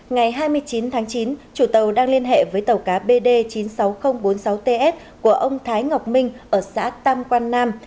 ngày hai mươi chín tháng chín chủ tàu đang liên hệ với tàu cá bd chín mươi sáu nghìn bốn mươi sáu ts của ông thái ngọc minh ở xã tam quan nam